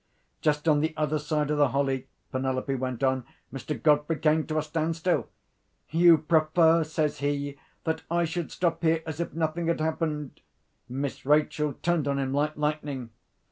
"Just on the other side of the holly," Penelope went on, "Mr. Godfrey came to a standstill. 'You prefer,' says he, 'that I should stop here as if nothing had happened?' Miss Rachel turned on him like lightning.